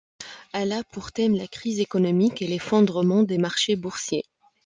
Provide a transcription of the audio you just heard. Elle a pour thème la crise économique et l'effondrement des marchés boursiers.